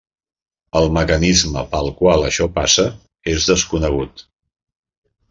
El mecanisme pel qual això passa és desconegut.